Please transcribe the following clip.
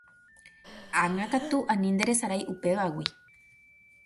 Ág̃akatu ani nderesarái upévagui